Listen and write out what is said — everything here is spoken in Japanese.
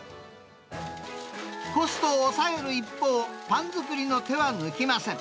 コストを抑える一方、パン作りの手は抜きません。